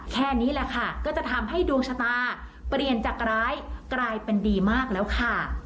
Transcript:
แค่นี้แหละค่ะก็จะทำให้ดวงชะตาเปลี่ยนจากร้ายกลายเป็นดีมากแล้วค่ะ